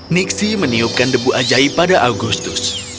nixie meniupkan debu ajaib pada augustus